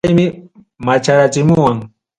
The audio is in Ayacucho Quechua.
Compadrellaymi macharachimuwan.